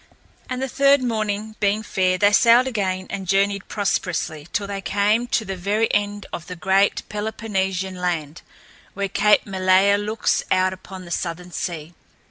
And the third morning being fair, they sailed again and journeyed prosperously till they came to the very end of the great Peloponnesian land, where Cape Malea looks out upon the southern sea.